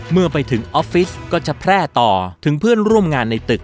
เมื่อไปถึงออฟฟิศก็จะแพร่ต่อถึงเพื่อนร่วมงานในตึก